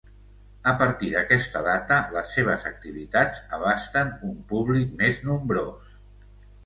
A partir d'aquesta data les seves activitats abasten un públic més nombrós.